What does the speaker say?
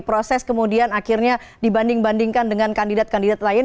proses kemudian akhirnya dibanding bandingkan dengan kandidat kandidat lain